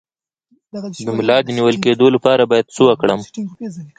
د ملا د نیول کیدو لپاره باید څه وکړم؟